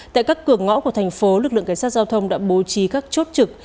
tại các cửa ngõ của thành phố lực lượng cảnh sát giao thông đã bố trí các chốt trực